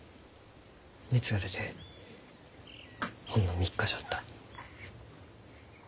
熱が出てほんの３日じゃった。